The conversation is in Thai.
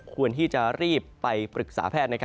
ควรที่จะรีบไปปรึกษาแพทย์